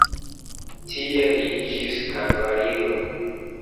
Tie li iĝis kavaliro.